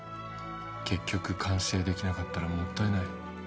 結局、完成できなかったらもったいない。